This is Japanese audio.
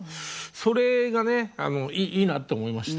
それがねいいなって思いました。